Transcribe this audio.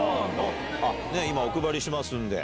今お配りしますんで。